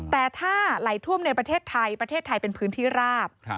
แต่ถ้าไหลท่วมในประเทศไทยประเทศไทยเป็นพื้นที่ราบ